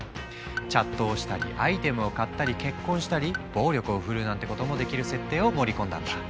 チャットをしたりアイテムを買ったり結婚したり暴力を振るうなんてこともできる設定を盛り込んだんだ。